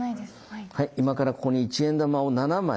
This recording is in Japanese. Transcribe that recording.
今からここに一円玉を７枚。